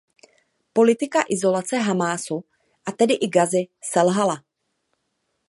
Politika izolace Hamásu, a tedy i Gazy, selhala.